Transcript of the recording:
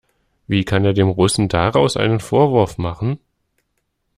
Wie kann er dem Russen daraus einen Vorwurf machen?